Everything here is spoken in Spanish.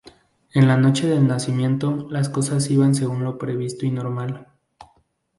En la noche del nacimiento, las cosas iban según lo previsto y normal.